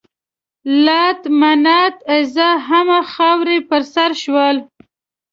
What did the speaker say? لات، منات، عزا همه خاورې په سر شول.